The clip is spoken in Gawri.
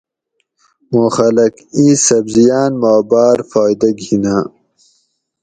مُوں خلک اِیں سبزیاٞن ما باٞر فائدہ گِھناٞں